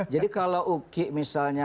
jadi kalau uki misalnya